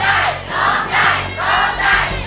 จะใช้หรือไม่ใช้ครับ